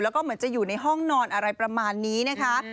แล้วก็เหมือนจะอยู่ในห้องนอนอะไรประมาณนี้นะคะ